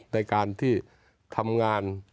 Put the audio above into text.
ในการที่ทำงาน